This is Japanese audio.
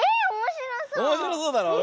おもしろそうだろ？